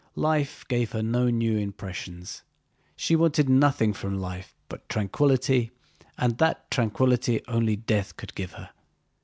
Life gave her no new impressions. She wanted nothing from life but tranquillity, and that tranquillity only death could give her.